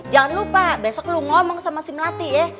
jangan lupa besok lu ngomong sama si melati ya